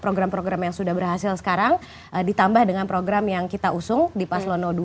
program program yang sudah berhasil sekarang ditambah dengan program yang kita usung di paslon dua